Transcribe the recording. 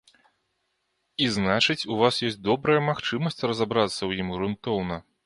І, значыць, у вас ёсць добрая магчымасць разабрацца ў ім грунтоўна.